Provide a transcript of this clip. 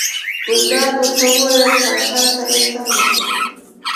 ګلداد ورته وویل باچا صاحب څنګه شو.